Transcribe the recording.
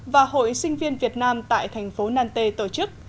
và hội sinh viên việt nam tại thành phố nante tổ chức